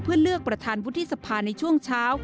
เพื่อเลือกประธานวุฒิสภาในช่วงเช้า